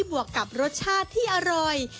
บวกกับรสชาติที่อร่อย